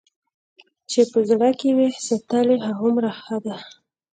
چې په زړه کې وي ساتلې هومره ښه ده.